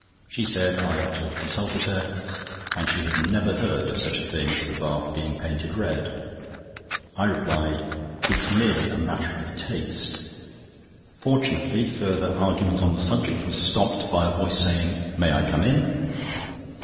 She said I ought to have consulted her, and she had never heard of such a thing as a bath being painted red. I replied: "It's merely a matter of taste." Fortunately, further argument on the subject was stopped by a voice saying, "May I come in?"